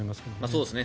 そうですね。